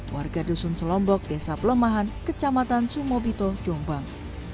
warga dusun selombok desa pelemahan kecamatan sumobito jombang